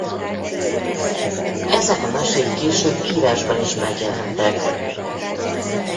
Ezek a mesék később írásban is megjelentek.